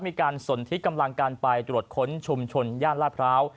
มีการสนที่กำลังการไปตรวจค้นชุมชนย่านลาดพร้าว